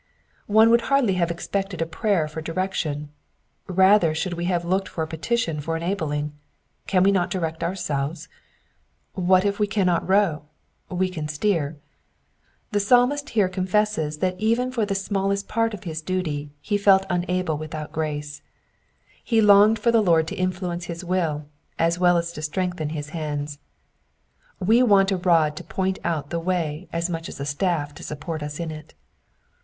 One would hardly have expected a prayer for direction ; rather should we have looked for a petition for enabling. Can we not direct ourselves?. What if we cannot row, we can steer. The Psalmist herein confesses that even for the smallest part of his duty be felt unable without grace. .He longed for the Lord to influence his will, as well as to strengthen his hands. We want a rod to point out the way as much as a staff to support us in it.